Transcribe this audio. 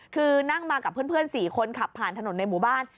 คือนั่งมากับเพื่อน๔คนขับผ่านถนนในหมู่บ้าน